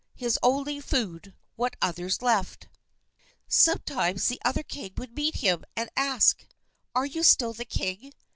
His only food, what others left. Sometimes the other king would meet him, and ask, "Are you still the king?"